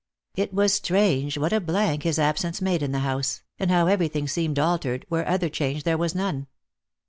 It was strange what a blank hia absence made in the house, and how everything seemed altered, where other change there was none.